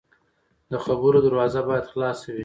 د خبرو دروازه باید خلاصه وي